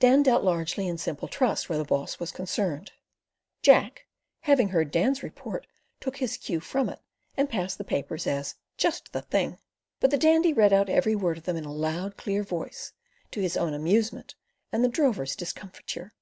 Dan dealt largely in simple trust where the boss was concerned. Jack, having heard Dan's report, took his cue from it and passed the papers as "just the thing"; but the Dandy read out every word in them in a loud, clear voice, to his own amusement and the drovers' discomfiture.